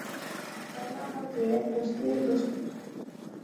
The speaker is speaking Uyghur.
دانا ۋە زېرەك دوستنى دوست تۇت.